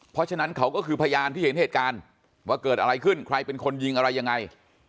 เพราะฉะนั้นเขาก็คือพยานที่เห็นเหตุการณ์ว่าเกิดอะไรขึ้นใครเป็นคนยิงอะไรยังไง